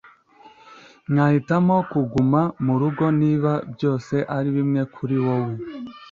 nahitamo kuguma murugo niba byose ari bimwe kuri wewe.